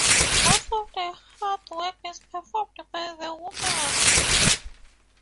Most of the hard work is performed by the women.